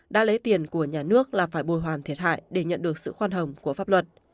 đã lấy tiền của nhà nước là phải bồi hoàn thiệt hại để nhận được sự khoan hồng của pháp luật